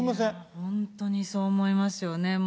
いやー、本当にそう思いますよね。